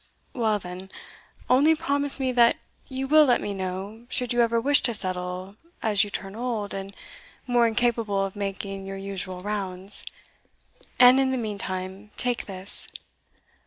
"Well, then, only promise me that you will let me know should you ever wish to settle as you turn old, and more incapable of making your usual rounds; and, in the meantime, take this."